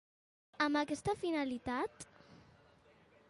Amb aquesta finalitat.